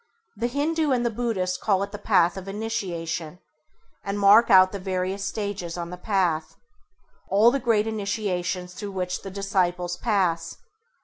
The Hindû and the Buddhist call it the path of Initiation, and mark out the various stages on the path, all the great Initiations through which [Page 17] the disciples pass.